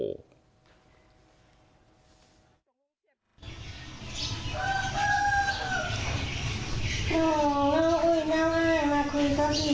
อ๋ออุ๊ยน่าว่ามาคุยกับพี่เท่าไหร่นะอะไรอย่างนั้น